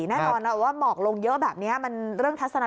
น่ารอยน่ะว่าหมอกลงเยอะแบบนี้มันเรื่องทัศนวิสัย